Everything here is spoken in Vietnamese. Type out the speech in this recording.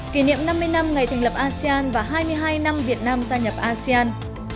kỷ niệm năm mươi năm ngày thành lập asean và hai mươi hai năm việt nam gia nhập asean